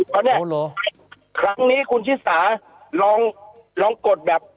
ครั้งนี้คุณที่สาลองลองกดแบบ